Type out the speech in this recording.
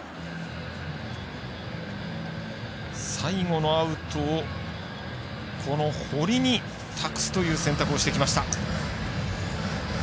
最後のアウトを堀に託すという選択をしてきました。